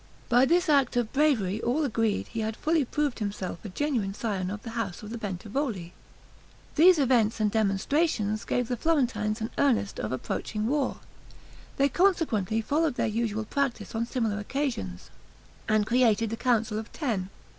By this act of bravery all agreed he had fully proved himself a genuine scion of the house of the Bentivogli. These events and demonstrations gave the Florentines an earnest of approaching war; they consequently followed their usual practice on similar occasions, and created the Council of Ten.